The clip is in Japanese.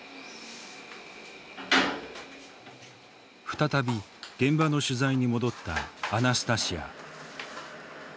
再び現場の取材に戻ったアナスタシヤ。